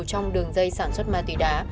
trong đường dây sản xuất ma túy đá